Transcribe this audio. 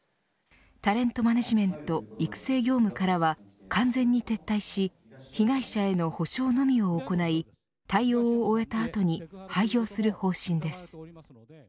タレントマネジメント育成業務からは完全に撤退し被害者への補償のみを行い対応を終えた後に廃業する方針です。